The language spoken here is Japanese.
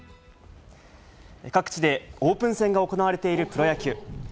各地でオープン戦が行われているプロ野球。